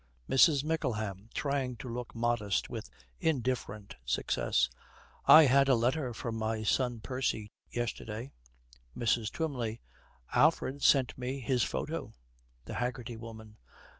MRS. MICKLEHAM, trying to look modest with indifferent success, 'I had a letter from my son, Percy, yesterday.' MRS. TWYMLEY. 'Alfred sent me his photo.' THE HAGGERTY WOMAN.